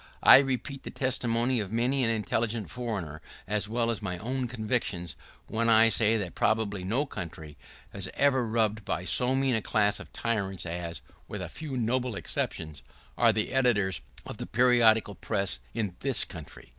I repeat the testimony of many an intelligent foreigner, as well as my own convictions, when I say, that probably no country was ever ruled by so mean a class of tyrants as, with a few noble exceptions, are the editors of the periodical press in this country.